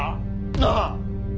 なあ。